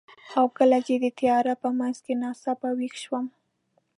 او کله چې د تیارې په منځ کې ناڅاپه ویښ شوم،